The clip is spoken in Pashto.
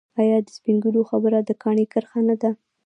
آیا د سپین ږیرو خبره د کاڼي کرښه نه ده؟